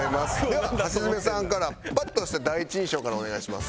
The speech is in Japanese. では橋爪さんからパッとした第一印象からお願いします。